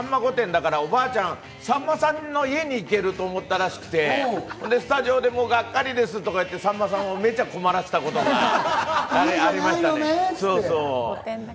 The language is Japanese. だからおばあちゃん、さんまさんの家に行けると思ったらしくて、スタジオでがっかりですとか言って、さんまさんをめちゃ困らせたことがありました。